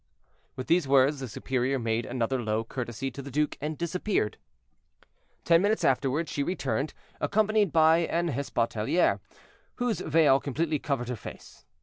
With these words the superior made another low courtesy to the duke and disappeared. Ten minutes afterward she returned, accompanied by an hospitaliere, whose veil completely covered her face.